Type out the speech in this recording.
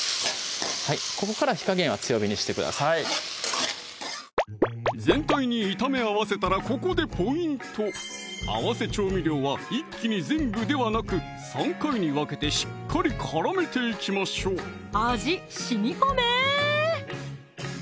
ここから火加減は強火にしてください全体に炒め合わせたらここでポイント合わせ調味料は一気に全部ではなく３回に分けてしっかり絡めていきましょう味しみこめ！